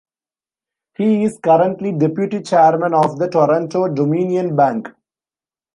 He is currently Deputy Chairman of the Toronto-Dominion Bank.